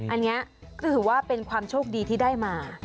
อันนี้ก็ถือว่าเป็นความโชคดีที่ได้มา